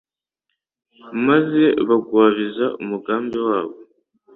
maze bagwabiza umugambi wabo.